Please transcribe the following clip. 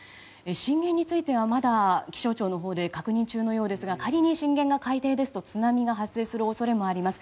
震源についてはまだ気象庁のほうで確認中のようですが仮に震源が海底ですと津波の発生する恐れがあります。